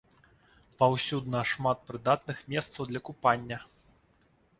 Паўсюдна шмат прыдатных месцаў для купання.